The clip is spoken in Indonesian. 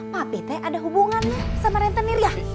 papi teh ada hubungannya sama rentenir ya